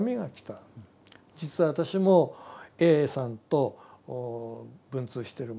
「実は私もＡさんと文通してる者だ。